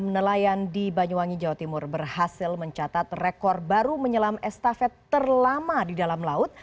enam nelayan di banyuwangi jawa timur berhasil mencatat rekor baru menyelam estafet terlama di dalam laut